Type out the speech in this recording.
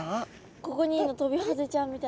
ここにいるのトビハゼちゃんみたい。